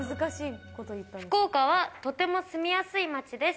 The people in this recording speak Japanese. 福岡はとても住みやすい街です。